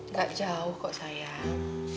enggak jauh kok sayang